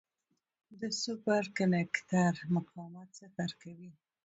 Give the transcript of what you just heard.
د سوپر کنډکټر مقاومت صفر کوي.